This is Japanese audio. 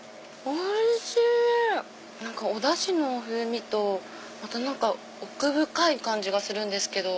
おダシの風味とまた何か奥深い感じがするんですけど。